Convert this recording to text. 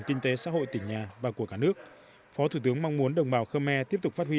kinh tế xã hội tỉnh nhà và của cả nước phó thủ tướng mong muốn đồng bào khơ me tiếp tục phát huy